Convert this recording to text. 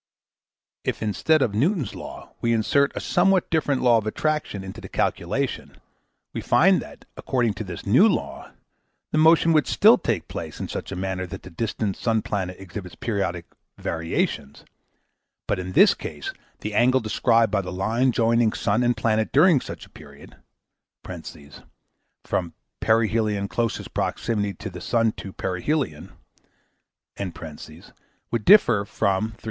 If instead of Newton's law we insert a somewhat different law of attraction into the calculation, we find that, according to this new law, the motion would still take place in such a manner that the distance sun planet exhibits periodic variations; but in this case the angle described by the line joining sun and planet during such a period (from perihelion closest proximity to the sun to perihelion) would differ from 360^0.